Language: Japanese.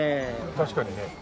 確かにね。